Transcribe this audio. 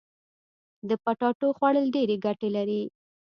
د پټاټو خوړل ډيري ګټي لري.